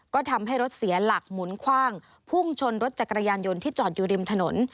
ก็ทำให้รถเสียหลักหมุนคว่างพุ่งชนรถจักรยานยนต์ที่จอดอยู่ริมถนน